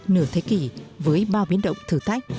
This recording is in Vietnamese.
nửa thế kỷ với bao biến động thử thách